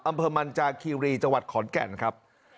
อำเภอมันจาคีรีจังหวัดขอนแก่นครับ